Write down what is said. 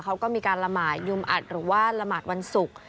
เขาก็มีการละหมาดยุมอัดหรือว่าละหมาดวันศุกร์